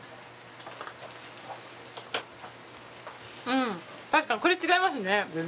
うん、確かに、これ違いますね。